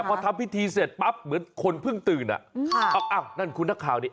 พอทำพิธีเสร็จปั๊บเหมือนคนเพิ่งตื่นอ่ะค่ะอ้าวนั่นคุณนักข่าวนี้